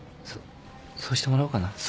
そそうしてもらおうかな。